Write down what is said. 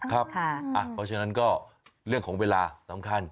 เพราะฉะนั้นก็เรื่องของเวลาสำคัญ